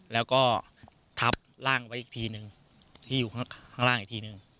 แล้วก็ทับร่างไว้อีกทีนึงที่อยู่ข้างล่างอีกทีนึง